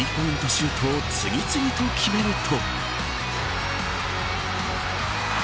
シュートを次々と決めると。